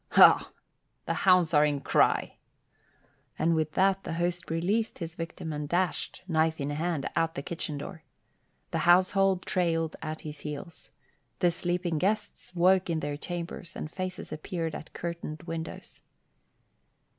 "Ha! The hounds are in cry." And with that the host released his victim and dashed, knife in hand, out the kitchen door. The household trailed at his heels. The sleeping guests woke in their chambers and faces appeared at curtained windows.